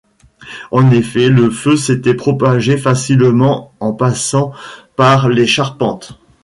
En effet, le feu s'était propagé facilement en passant par les charpentes.